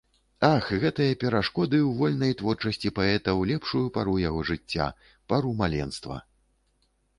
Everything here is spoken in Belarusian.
Ах, гэтыя перашкоды ў вольнай творчасці паэта ў лепшую пару яго жыцця, пару маленства!